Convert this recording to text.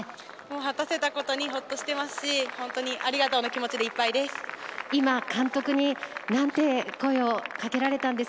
果たせたことにほっとしていますし、本当にありがとうの気持ちでいっぱいです。